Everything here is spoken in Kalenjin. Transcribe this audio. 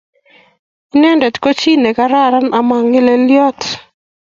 Inendete ko chito nekararan ama ngeleliot